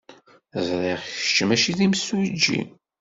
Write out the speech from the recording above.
Ẓriɣ kečč maci d imsujji.